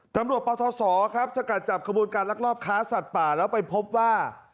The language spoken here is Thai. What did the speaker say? ปทศครับสกัดจับขบวนการลักลอบค้าสัตว์ป่าแล้วไปพบว่า